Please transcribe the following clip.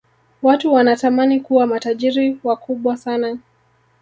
watu wanatamani kuwa matajiri wakubwa sana